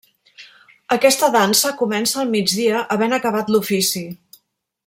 Aquesta dansa comença al migdia havent acabat l'ofici.